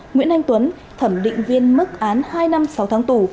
nguyễn anh tuấn thẩm định viên mức án hai năm sáu tháng tù